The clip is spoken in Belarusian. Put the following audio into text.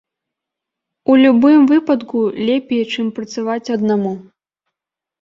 У любым выпадку, лепей, чым працаваць аднаму.